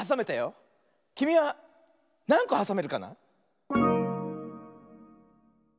きみはなんこはさめるかな？